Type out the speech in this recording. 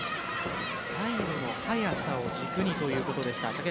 サイドの速さを軸にということでした。